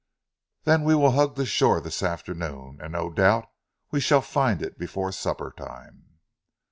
"Then we will hug the shore this afternoon, and no doubt we shall find it before supper time."